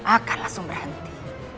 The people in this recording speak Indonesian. akan langsung berhenti